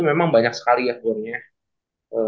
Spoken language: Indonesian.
memang banyak sekali ya borneo